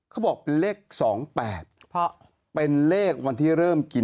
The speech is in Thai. เขาบอกเป็นเลข๒๘